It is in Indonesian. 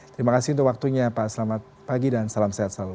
terima kasih untuk waktunya pak selamat pagi dan salam sehat selalu